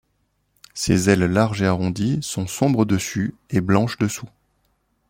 Ses ailes larges et arrondies sont sombres dessus et blanches dessous.